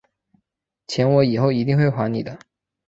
钱我以后一定会还你的